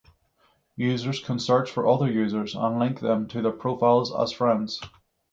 Users can search for other users and link them to their profiles as friends.